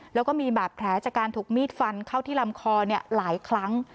แล้วก็มีบาดแผลจากการถูกมีดฟันเข้าที่ลำคอหลายครั้ง